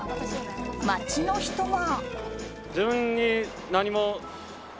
街の人は。